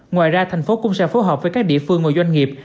ngoài ra thành phố cũng sẽ phối hợp với các địa phương và doanh nghiệp